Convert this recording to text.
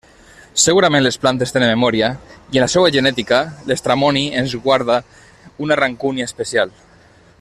Segurament les plantes tenen memòria, i en la seua genètica l'estramoni ens guarda una rancúnia especial.